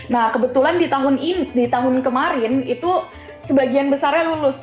nah kebetulan di tahun kemarin itu sebagian besarnya lulus